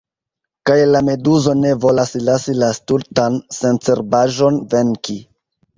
Kaj la meduzo ne volas lasi la stultan sencerbaĵon venki.